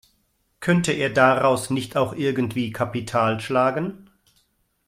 Könnte er daraus nicht auch irgendwie Kapital schlagen?